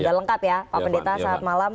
sudah lengkap ya pak pendeta saat malam